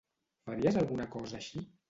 Faries alguna cosa així?